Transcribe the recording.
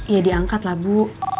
ya diangkatlah bu